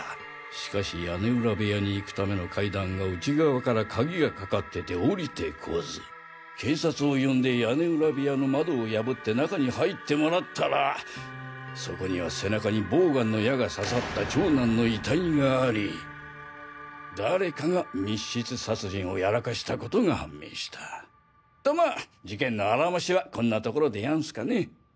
しかし屋根裏部屋に行くための階段が内側から鍵が掛かってて降りて来ず警察を呼んで屋根裏部屋の窓を破って中に入ってもらったらそこには背中にボウガンの矢が刺さった長男の遺体があり誰かが密室殺人をやらかしたことが判明したっとまぁ事件のあらましはこんなところでやんすかねぇ？